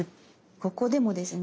ここでもですね